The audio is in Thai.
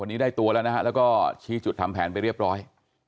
วันนี้ได้ตัวแล้วนะฮะแล้วก็ชี้จุดทำแผนไปเรียบร้อย